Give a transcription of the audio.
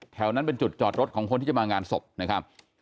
แถวนั้นเป็นจุดจอดรถของคนที่จะมางานศพนะครับ